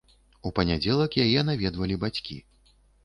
У панядзелак яе наведвалі бацькі.